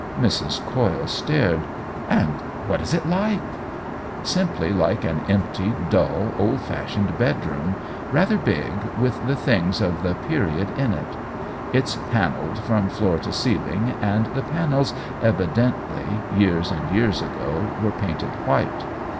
Mrs. Coyle stared. "And what is it like ?"" Simply like an empty, dull, old fashioned bedroom, rather big, with the things of the * period ' in it. It's panelled from floor to ceiling, and the panels evidently, years and years ago, were painted white.